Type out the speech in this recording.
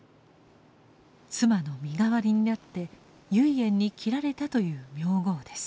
妻の身代わりになって唯円に切られたという名号です。